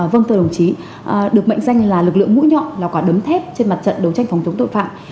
vâng thưa đồng chí được mệnh danh là lực lượng mũi nhọn là quả đấm thép trên mặt trận đấu tranh phòng chống tội phạm